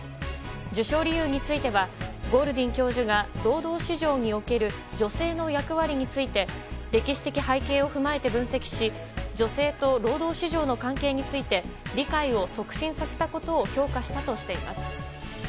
受賞理由についてはゴールディン教授が労働市場における女性の役割について歴史的背景を踏まえて分析し女性と労働市場の関係について理解を促進させたことを評価したとしています。